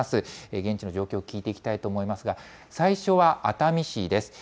現地の状況を聞いていきたいと思いますが、最初は熱海市です。